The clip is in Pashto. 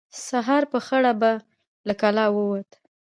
سهار په خړه به له کلا ووت.